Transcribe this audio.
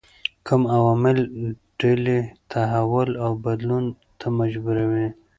کوم عوامل ډلې تحول او بدلون ته مجبوروي؟